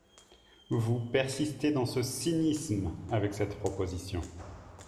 Vous persistez dans ce cynisme avec cette proposition.